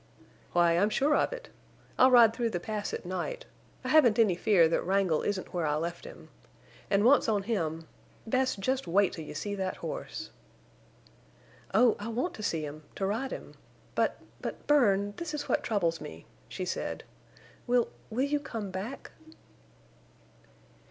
"Why, I'm sure of it. I'll ride through the Pass at night. I haven't any fear that Wrangle isn't where I left him. And once on him—Bess, just wait till you see that horse!" "Oh, I want to see him—to ride him. But—but, Bern, this is what troubles me," she said. "Will—will you come back?"